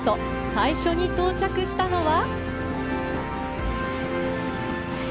最初に到着したのは。